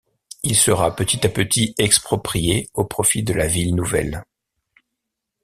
Il sera petit à petit exproprié au profit de la ville nouvelle.